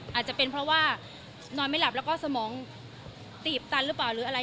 อาจจะเป็นเพราะว่านอนไม่หลับแล้วก็สมองตีบตันหรือเปล่าหรืออะไร